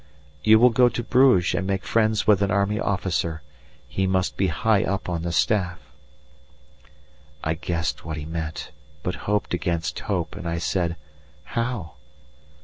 "You will go to Bruges and make friends with an Army officer; he must be high up on the staff." I guessed what he meant, but hoped against hope, and I said: "How?"